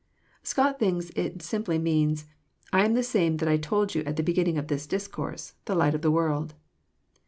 Scott thinks it simply means, I am the same that I told you at the beginning of this discourse, — the Light of the World."